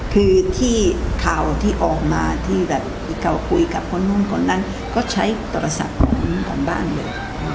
คือที่เขาออกมาที่เขาคุยกับคนนู้นคนนั้นก็ใช้โทรศัพท์ของสำบันเลย